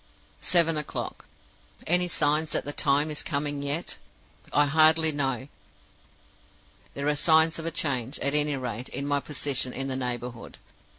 "Seven o'clock. Any signs that the time is coming yet? I hardly know; there are signs of a change, at any rate, in my position in the neighborhood.